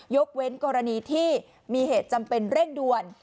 ยกเว้นกรณีที่มีเหตุจำเป็นเร่งด่วน